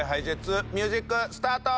ミュージックスタート！